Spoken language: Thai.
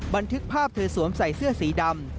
บันทึกภาพเธอสวมใส่เสื้อสีดำ